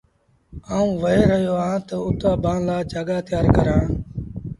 آئوٚنٚ وهي رهيو اهآنٚ تا اُت اڀآنٚ لآ جآڳآ تيآر ڪرآݩٚ۔